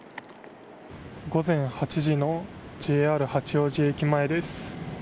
午前８時のＪＲ八王子駅前です。